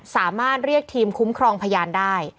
สามารถเรียกทีมคุ้มครองพยานได้